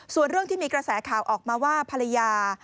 ส่วนเรื่องที่มีกระแสข่าวออกมาว่าภรรยา